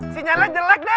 sinyalnya jelek d